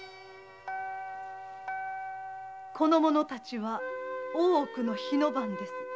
この者たちは大奥の火の番です。